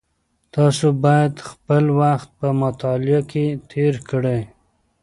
تاسو باید خپل وخت په مطالعه کې تېر کړئ.